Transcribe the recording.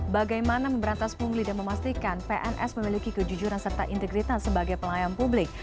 bagaimana memberantas pungli dan memastikan pns memiliki kejujuran serta integritas sebagai pelayan publik